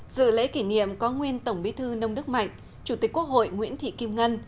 dự lễ kỷ niệm có nguyên tổng bí thư nông đức mạnh chủ tịch quốc hội nguyễn thị kim ngân